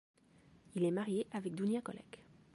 Il est marié avec Dunja Kolleck.